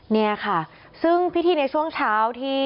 นี่ค่ะซึ่งพิธีในช่วงเช้าที่